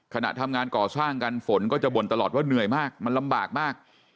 ขณะทำงานก่อสร้างกันฝนก็จะบ่นตลอดว่าเหนื่อยมากมันลำบากมาก